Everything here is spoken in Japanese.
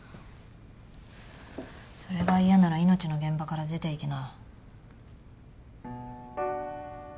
それが嫌なら命の現場から出て行きな。